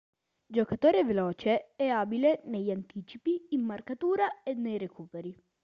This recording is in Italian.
Giocatore veloce, è abile negli anticipi, in marcatura e nei recuperi.